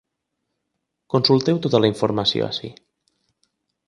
Consulteu tota la informació ací.